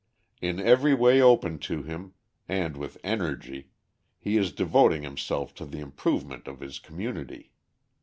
In every way open to him, and with energy, he is devoting himself to the improvement of his community.